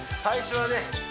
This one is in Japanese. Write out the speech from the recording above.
最初はね